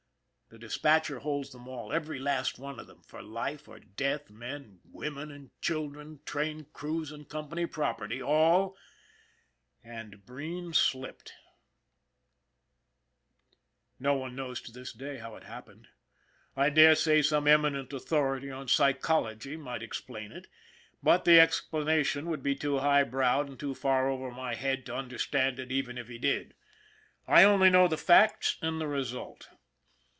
The dispatcher holds them all, every last one of them, for life or death, men, women and children, train crews and company property, all and Breen slipped ! No one knows to this day how it happened. I dare say some eminent authority on psychology might ex plain it, but the explanation would be too high browed and too far over my head to understand it even if he did. I only know the facts and the result.